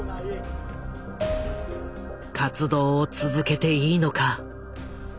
活動を続けていいのか。